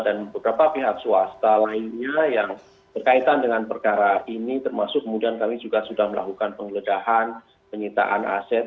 dan beberapa pihak swasta lainnya yang berkaitan dengan perkara ini termasuk kemudian kami juga sudah melakukan pengledahan penyitaan aset